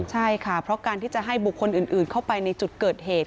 ใช่ค่ะเพราะการที่จะให้บุคคลอื่นเข้าไปในจุดเกิดเหตุ